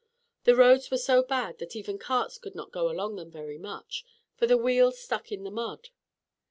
The roads were so bad that even carts could not go along them very much, for the wheels stuck in the mud.